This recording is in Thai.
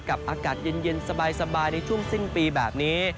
อากาศเย็นสบายในช่วงสิ้นปีแบบนี้